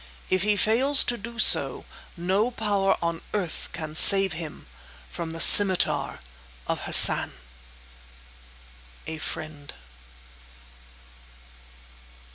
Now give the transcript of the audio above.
If he fails to do so, no power on earth can save him from the Scimitar of Hassan. A FRIEND.